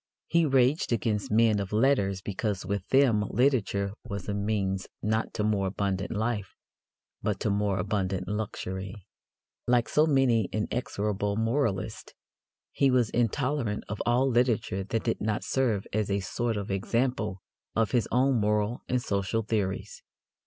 He raged against men of letters because with them literature was a means not to more abundant life but to more abundant luxury. Like so many inexorable moralists, he was intolerant of all literature that did not serve as a sort of example of his own moral and social theories.